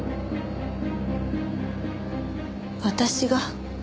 私が？